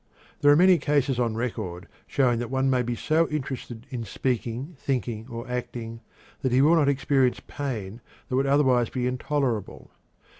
There are many cases on record showing that one may be so interested in speaking, thinking, or acting that he will not experience pain that would otherwise be intolerable.